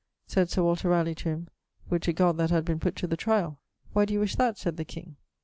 [LXXII.]Sayd Sir Walter Raleigh to him, 'Would to God that had been put to the tryall.' 'Why doe you wish that?' sayd the king.